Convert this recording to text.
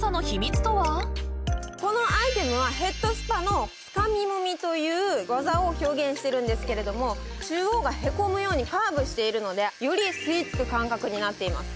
このアイテムはヘッドスパのつかみもみという技を表現してるんですけれども中央がへこむようにカーブしているのでより吸い付く感覚になっています。